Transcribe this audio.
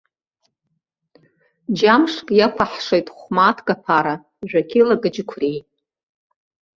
Џьамшк иақәаҳшеит хә-мааҭк аԥара, жәа-кьылак аџьықәреи!